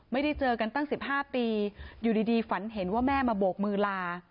ไม่ได้เจอกันตั้ง๑๕ปีอยู่ดีฝันเห็นว่าแม่มาโบกมือลา